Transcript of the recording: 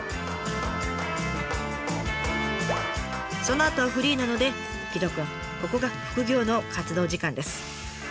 そのあとはフリーなので城戸くんここが副業の活動時間です。